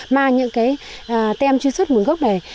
mang những cái tem truy xuất nguồn gốc này